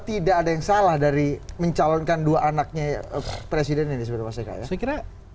tidak ada yang salah dari mencalonkan dua anaknya presiden ini sebenarnya mas eka ya